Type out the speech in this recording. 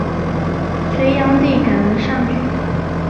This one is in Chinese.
隋炀帝改为上郡。